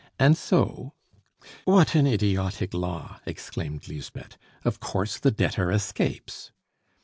And so " "What an idiotic law!" exclaimed Lisbeth. "Of course the debtor escapes."